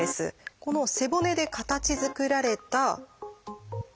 この背骨で形づくられたトンネル。